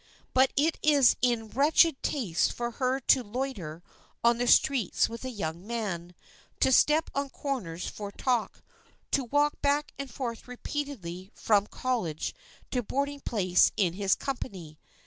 But it is in wretched taste for her to loiter on the streets with a young man, to stop on corners for talk, to walk back and forth repeatedly from college to boarding place in his company.